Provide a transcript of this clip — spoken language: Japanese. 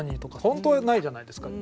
本当はないじゃないですか。